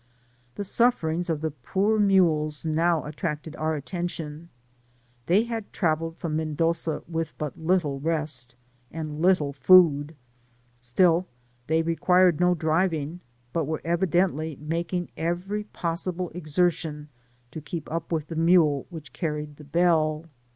The sufferings of the poor mules now attracted our attention; they had travelled from Mendoza with but little rest, and little food; still they required no driving, but were evidently making every possible exertion to keep up with the mule Digitized byGoogk 15S PASSAGE ACROSS which carried the bell.